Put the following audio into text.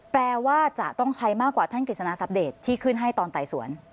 แปลว่าจะต้องใช้มากกว่าท่านกฤษณาซัปเดตที่ขึ้นให้ตอนไต่สวน